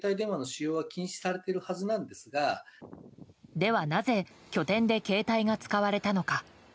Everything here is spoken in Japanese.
では、なぜ拠点で携帯が使われたのか。